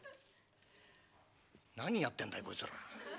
「何やってんだいこいつら？